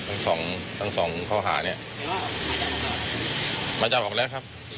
ทั้งสองทั้งสองข้อหาเนี้ยมันจะออกแล้วครับ